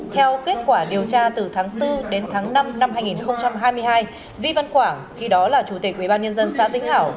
theo kết quả điều tra từ tháng bốn đến tháng năm năm hai nghìn hai mươi hai vi văn quảng khi đó là chủ tịch ubnd xã vĩnh hảo